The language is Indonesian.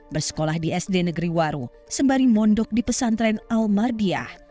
bersekolah di sd negeri waru sembari mondok di pesantren al mardiah